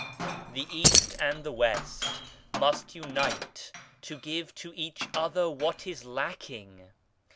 The East and the West must unite to give to each other what is lacking.